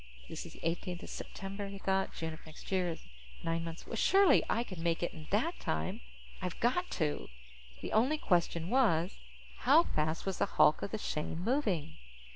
This is the eighteenth of September, he thought, June of next year is nine months away. Surely I can make it in that time. I've got to. The only question was, how fast was the hulk of the Shane moving?